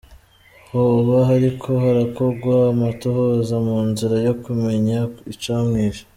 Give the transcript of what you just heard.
Hoba hariko harakogwa amatohoza mu nzira yo kumenya icamwishe.